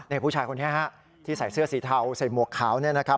นี่ผู้ชายคนนี้ฮะที่ใส่เสื้อสีเทาใส่หมวกขาวเนี่ยนะครับ